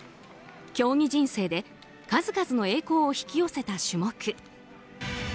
競技人生で数々の栄光を引き寄せた種目。